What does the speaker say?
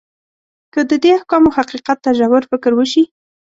که د دې احکامو حقیقت ته ژور فکر وشي.